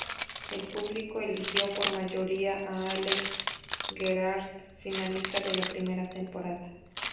El público eligió por mayoría a Álex Gerhard, finalista de la primera temporada.